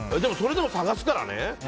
それでも探すからね。